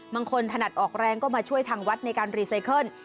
ถนัดออกแรงก็มาช่วยทางวัดในการรีไซเคิล